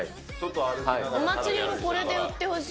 お祭りもこれで売ってほしい。